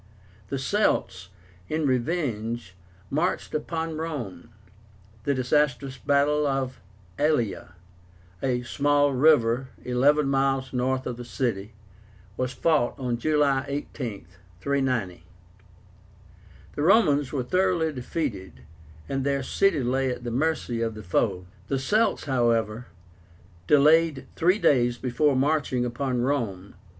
The Celts, in revenge, marched upon Rome. The disastrous battle of the ALLIA, a small river about eleven miles north of the city, was fought on July 18, 390. The Romans were thoroughly defeated and their city lay at the mercy of the foe. The Celts, however, delayed three days before marching upon Rome.